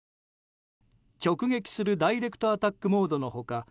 直撃するダイレクトアタックモードの他